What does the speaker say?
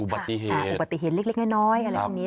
อุบัติเหตุอุบัติเหตุเล็กน้อยอะไรพวกนี้